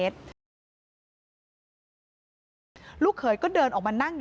สุดท้าย